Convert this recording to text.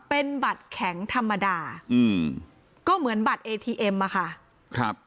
เป็นบัตรแข็งธรรมดาอืมก็เหมือนบัตรเอทีเอ็มอ่ะค่ะครับ